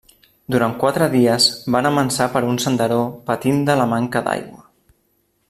Durant quatre dies van avançar per un senderó patint de la manca d'aigua.